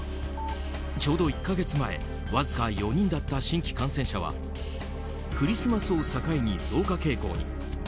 ちょうど１か月前わずか４人だった新規感染者はクリスマスを境に増加傾向に。